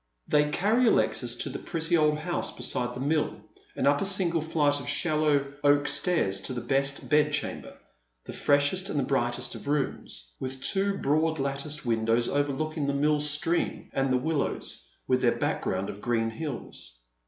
Thev carry Alexis to the pretty old house beside the mill, and Tir> a single flight of shallow oak stairs to the best bedchamber, tlie freshest and biightest of rooms, with two broad latticed ■>.\ indows overlooking the mill stream and tlie willows, with their background of green hills.